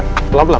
aku sudah nolong